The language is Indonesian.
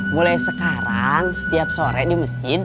mulai sekarang setiap sore di masjid